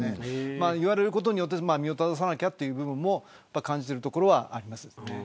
言われることで身を正さなきゃという部分も感じているところはありますね。